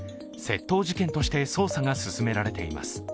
窃盗事件として捜査が進められています。